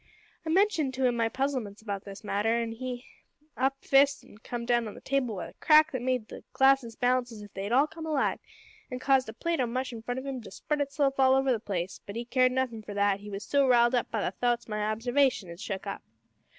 I mentioned to him my puzzlements about this matter, an' he up fist an' come down on the table wi' a crack that made the glasses bounce as if they'd all come alive, an' caused a plate o' mush in front of him to spread itself all over the place but he cared nothin' for that, he was so riled up by the thowts my obsarvation had shook up.